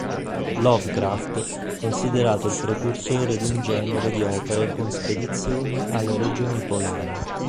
Lovecraft, considerato il precursore di un genere di opere con spedizioni alle regioni polari.